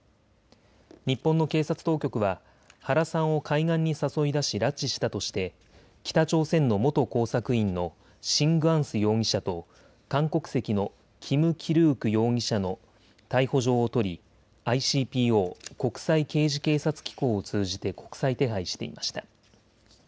日本の警察当局は原さんを海岸に誘い出し拉致したとして北朝鮮の元工作員の辛光洙容疑者と韓国籍の金吉旭容疑者の逮捕状を取りＩＣＰＯ・国際刑事警察機構を通じて国際手配していました。